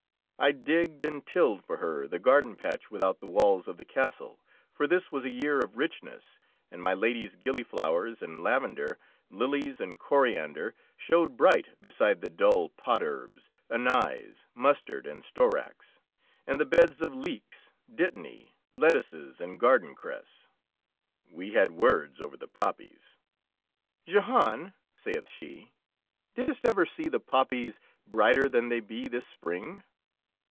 I digged and tilled for her the garden patch without the walls of the castle, for this was a year of richness, and my Lady's gillyflowers and lavender, lilies and coriander, showed bright beside the dull pot herbs, anise, mustard, and storax, and the beds of leeks, dittany, lettuces, and garden cress. We had words over the poppies. "Jehan," saith she, "didst ever see the poppies brighter than they be this spring?"